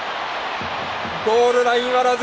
ゴールライン割らず！